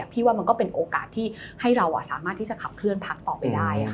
พี่ว่ามันก็เป็นโอกาสที่ให้เราสามารถที่จะขับเคลื่อนพักต่อไปได้